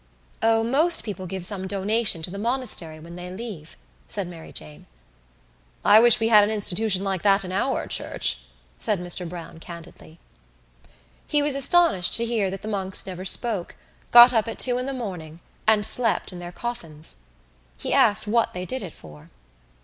"O, most people give some donation to the monastery when they leave." said Mary Jane. "I wish we had an institution like that in our Church," said Mr Browne candidly. He was astonished to hear that the monks never spoke, got up at two in the morning and slept in their coffins. He asked what they did it for.